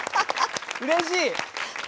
うれしい！